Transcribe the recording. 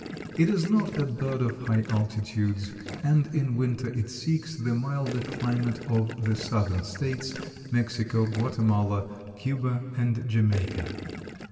It is not a bird of high altitudes and in winter it seeks the milder climate of the Southern States, Mexico, Guatemala, Cuba and Jamaica.